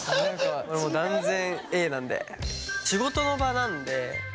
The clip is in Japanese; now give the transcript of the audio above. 俺も断然Ａなんで。